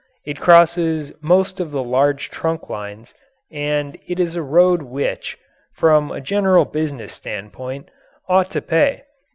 It crosses most of the large trunk lines and it is a road which, from a general business standpoint, ought to pay.